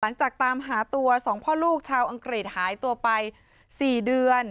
ตามหาตัว๒พ่อลูกชาวอังกฤษหายตัวไป๔เดือน